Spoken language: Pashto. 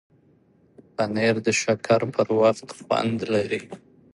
پنېر د شکر پر وخت خوند لري.